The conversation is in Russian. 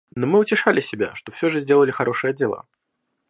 Но мы утешали себя, что всё же сделали хорошее дело.